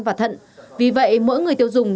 và thận vì vậy mỗi người tiêu dùng